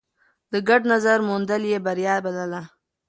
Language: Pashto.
د ګډ نظر موندل يې بريا بلله.